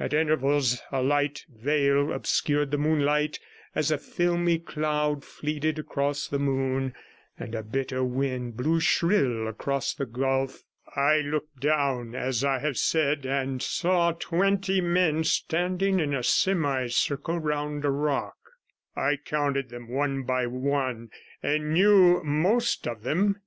At intervals a light veil obscured the moonlight, as a filmy cloud fleeted across the moon, and a bitter wind blew shrill across the gulf. I looked down, as I have said, and saw twenty men standing in a semicircle round a rock; I counted them one by one, and knew most of them.